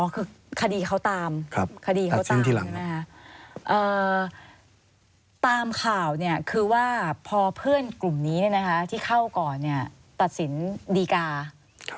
คือคดีเขาตามคดีเขาตามใช่ไหมคะตามข่าวเนี่ยคือว่าพอเพื่อนกลุ่มนี้ที่เข้าก่อนตัดสินดีกา